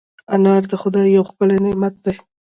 انار د خدای یو ښکلی نعمت دی.